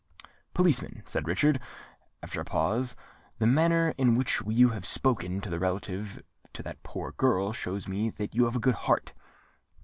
"Policeman," said Richard, after a pause, "the manner in which you have spoken relative to that poor girl, shows me that you have a good heart.